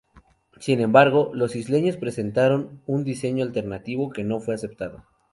Sin embargo, los isleños presentaron un diseño alternativo que no fue aceptado.